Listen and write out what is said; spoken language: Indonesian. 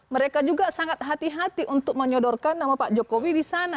mereka juga sangat hati hati untuk menyodorkan nama pak jokowi di sana